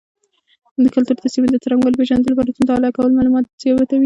کلتور د سیمې د څرنګوالي پیژندلو لپاره مطالعه کول معلومات زیاتوي.